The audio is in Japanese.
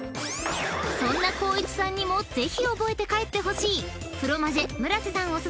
［そんな光一さんにもぜひ覚えて帰ってほしいフロマジェ村瀬さん